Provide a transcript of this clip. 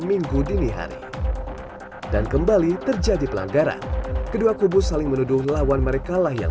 minggu dini hari dan kembali terjadi pelanggaran kedua kubu saling menuduh lawan mereka lah yang